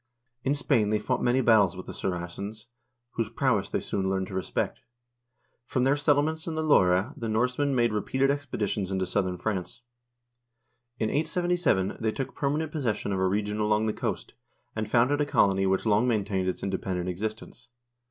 In Spain they fought many battles with the Saracens, whose prowess they soon learned to respect. From their settlements on the Loire the Norsemen made repeated expeditions into southern France. In 877 they took per manent possession of a region along the coast, and founded a colony which long maintained its independent existence.